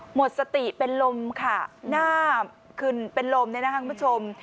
หมดสติเป็นลมค่ะหน้าขึ้นเป็นลมเนี่ยนะคะคุณผู้ชม